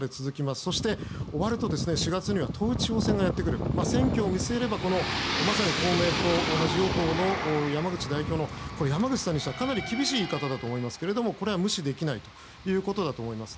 そして、終わると４月には統一地方選がやってきますのでまさに、公明党同じ与党の山口代表の山口さんにしたら、かなり厳しい言い方だと思いますが無視できないんだと思います。